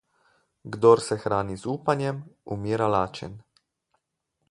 Kdor se hrani z upanjem, umira lačen.